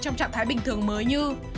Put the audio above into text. trong trạng thái bình thường mới như